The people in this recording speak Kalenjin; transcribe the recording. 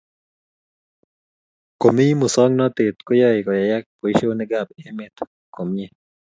Komi masongnatet koyaie koyayak boishonik ab emet komye